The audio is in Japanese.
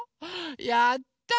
やった！